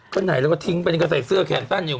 ก็หน่ายแล้วก็ทิ้งไปใส่เสื้อแขนตั้งอยู่